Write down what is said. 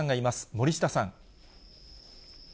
守下さん。